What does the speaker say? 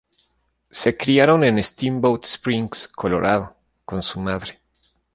Se criaron en Steamboat Springs, Colorado con su madre.